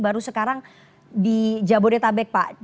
baru sekarang di jabodetabek pak